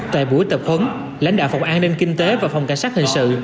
tại buổi tập huấn lãnh đạo phòng an ninh kinh tế và phòng cảnh sát hình sự